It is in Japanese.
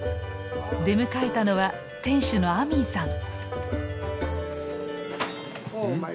出迎えたのは店主のアミンさん。